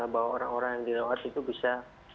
bahwa orang orang yang dirawat itu bisa